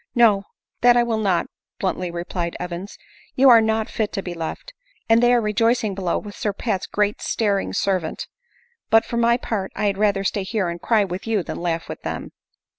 " No — that I will not," bluntly replied Evans, " you are not fit to be left ; and they are rejoicing below with Sir Pat's great staring servant. But, for my part, 1 had rather stay here and cry with you than laugh with them."